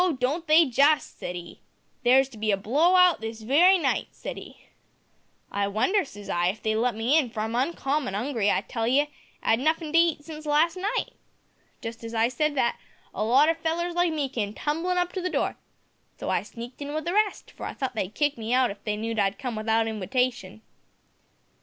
don't they, just!' said 'e. `There's to be a blow hout this wery night,' said 'e. `I wonder,' says I, `if they'd let me in, for I'm uncommon 'ungry, I tell you; 'ad nuffin' to heat since last night.' Just as I said that, a lot o' fellers like me came tumblin' up to the door so I sneaked in wi' the rest for I thought they'd kick me hout if they knowed I'd come without inwitation."